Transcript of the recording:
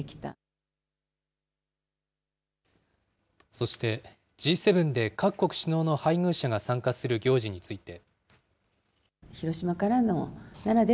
そして、Ｇ７で各国首脳の配偶者が参加する行事について。